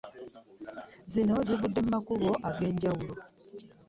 Zino zivudde mu makubo ag'enjawulo.